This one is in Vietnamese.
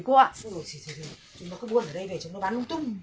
chứ nó bán lung tung